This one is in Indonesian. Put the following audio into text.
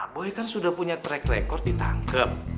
boy kan sudah punya track record ditangkap